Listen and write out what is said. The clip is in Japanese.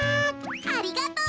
ありがとう。